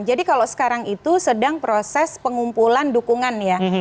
jadi kalau sekarang itu sedang proses pengumpulan dukungan ya